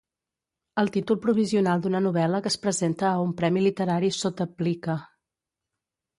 El títol provisional d'una novel·la que es presenta a un premi literari sota plica.